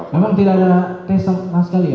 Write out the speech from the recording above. memang tidak ada tesongah sekali ya